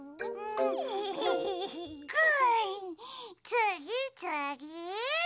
つぎつぎ！